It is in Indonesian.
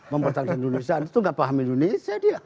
mempertahankan indonesia itu gak paham indonesia dia